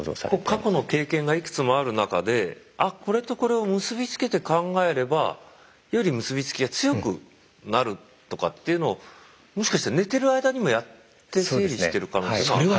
過去の経験がいくつもある中でこれとこれを結び付けて考えればより結び付きが強くなるとかっていうのをもしかして寝ている間にもやって整理してる可能性もあると？